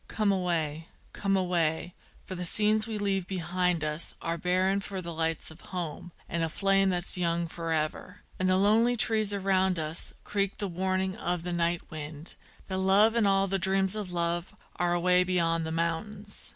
_ Come away! come away! for the scenes we leave behind us Are barren for the lights of home and a flame that's young forever; And the lonely trees around us creak the warning of the night wind, That love and all the dreams of love are away beyond the mountains.